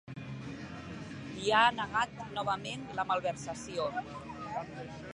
I ha negat novament la malversació.